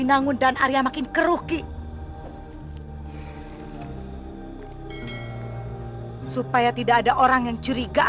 jangan lupa like share dan subscribe ya